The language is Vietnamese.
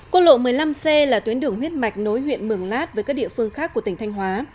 quốc lộ một mươi năm c là tuyến đường huyết mạch nối huyện mường lát với các địa phương khác của tỉnh thanh hóa